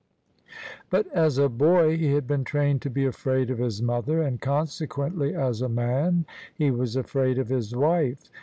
But as a boy he had been trained to be afraid of his mother, and conse quently as a man he was afraid of his wife.